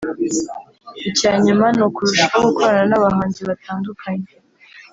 Icya nyuma ni ukurushaho gukorana n’abahanzi batandukanye